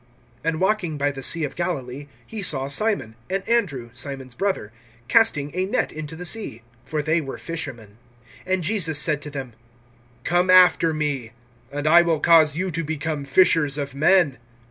(16)And walking by the sea of Galilee, he saw Simon, and Andrew, Simon's brother, casting a net in the sea; for they were fishermen. (17)And Jesus said to them: Come after me, and I will cause you to become fishers of men.